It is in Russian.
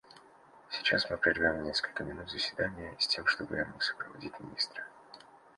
Сейчас мы прервем на несколько минут заседание, с тем чтобы я мог сопроводить министра.